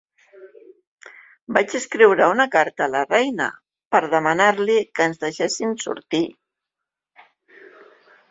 Vaig escriure una carta a la reina per demanar-li que ens deixessin sortir.